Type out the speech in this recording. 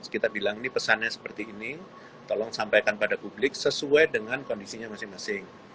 kita bilang ini pesannya seperti ini tolong sampaikan pada publik sesuai dengan kondisinya masing masing